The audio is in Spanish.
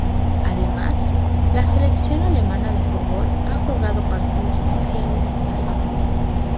Además, la selección alemana de fútbol ha jugado partidos oficiales allí.